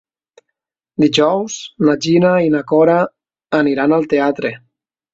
Dijous na Gina i na Cora aniran al teatre.